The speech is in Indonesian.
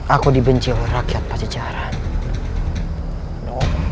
aku dibencil rakyat pacejaran